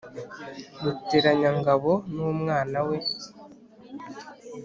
Ruteranyangabo n'umwana we